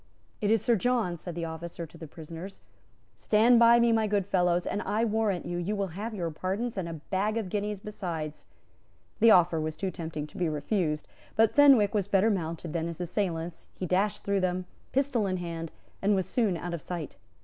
"It is Sir John," said the officer to the prisoners: "Stand by me, my good fellows, and, I warrant you, you will have your pardons, and a bag of guineas besides." The offer was too tempting to be refused; but Fenwick was better mounted than his assailants; he dashed through them, pistol in hand, and was soon out of sight.